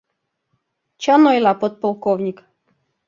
— Чын ойла подполковник.